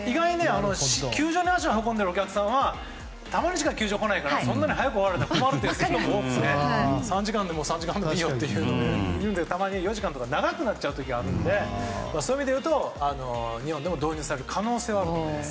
球場に足を運んでるお客さんはたまにしか球場来ないから早く終わると困るという人も多くて３時間でも３時間半でもっていうので４時間とかたまに長くなっちゃう時があるのでそういう意味で言うと日本でも導入される可能性はあります。